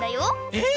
えっ！